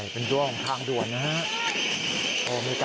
เป็นรั้วของทางด่วนนะฮะ